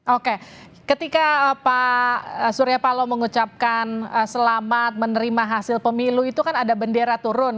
oke ketika pak surya paloh mengucapkan selamat menerima hasil pemilu itu kan ada bendera turun